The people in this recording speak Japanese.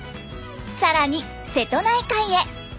更に瀬戸内海へ。